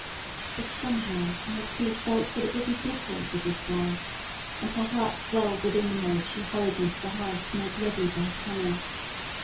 But somehow Aunt Crete felt that it would be different with this boy, and her heart swelled within her as she hurried into the house to make ready for his coming.